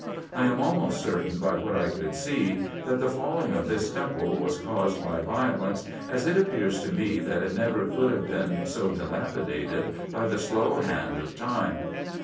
I am almost certain, by what I could see, that the falling of this temple was caused by violence, as it appears to me that it never could have been so dilapidated by the slow hand of time.